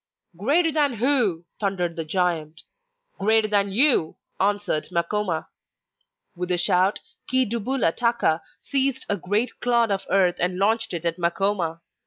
'Greater than who?' thundered the giant. 'Greater than you!' answered Makoma. With a shout, Chi dubula taka seized a great clod of earth and launched it at Makoma.